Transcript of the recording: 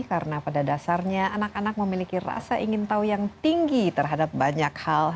karena pada dasarnya anak anak memiliki rasa ingin tahu yang tinggi terhadap banyak hal